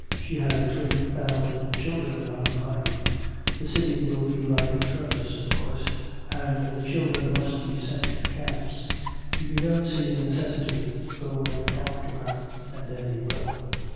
"She has three thousand children on her mind. The city will be like a furnace, of course, and the children must be sent to camps. If you don't see the necessity, go and talk to her, and then you will."